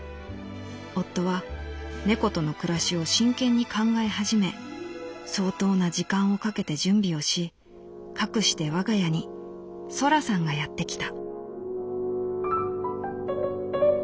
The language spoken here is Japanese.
夫は猫との暮らしを真剣に考え始め相当な時間をかけて準備をしかくして我が家にそらさんがやってきた」。